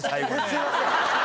すいません！